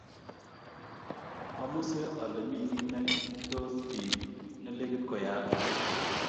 omuse ale mi kiy ne iotsot biich nelekit koyaak